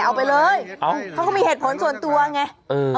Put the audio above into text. อ้าวเนี่ยเขาก็มีเห็ดผลส่วนตัวไงเห็ดมาขายเห็ดอยู่ไหน